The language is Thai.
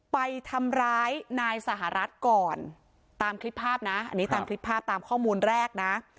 ไปทำร้ายนายสหรัฐก่อนตามคลิปภาพนะอันนี้ตามคลิปภาพตามข้อมูลแรกนะ